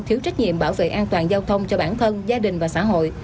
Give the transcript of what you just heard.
thiếu trách nhiệm bảo vệ an toàn giao thông cho bản thân gia đình và xã hội